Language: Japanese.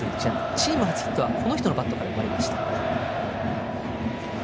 チーム初ヒットは井上のバットから生まれました。